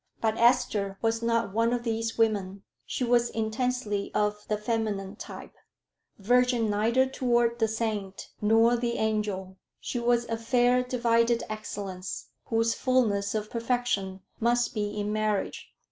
But Esther was not one of these women: she was intensely of the feminine type, verging neither toward the saint nor the angel. She was "a fair divided excellence, whose fullness of perfection" must be in marriage.